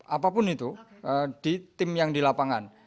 apapun itu di tim yang di lapangan